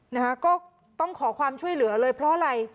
นะฮะก็ต้องขอความช่วยเหลือเลยเพราะอะไร